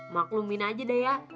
maklumin aja dah ya